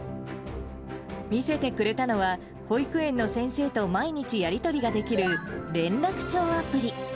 見せてくれたのは、保育園の先生と毎日やり取りができる連絡帳アプリ。